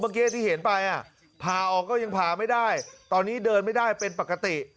เมื่อกี้ที่เห็นไปผ่าออกก็ยังผ่าไม่ได้ตอนนี้เดินไม่ได้เป็นปกติ